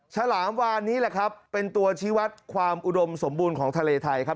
ฉลามวานนี้แหละครับเป็นตัวชีวัตรความอุดมสมบูรณ์ของทะเลไทยครับ